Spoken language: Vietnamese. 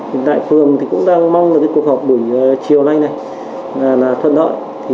hiện tại phường cũng đang mong là cuộc họp buổi chiều nay này thuận đợi